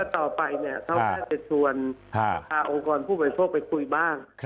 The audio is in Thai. ต่อไปเค้ากลายถัดส่วนจะชวนพวกองค์การผู้บริโภคไปคุยบ้าง